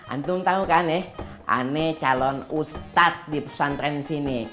antum tahu kan aneh calon ustadz di pesantren sini